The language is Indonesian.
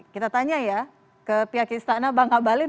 kita tanya ya ke pihak istana bang abalin